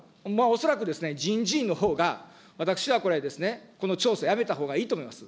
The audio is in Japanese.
恐らくですね、人事院のほうが私はこれ、この調査やめたほうがいいと思います。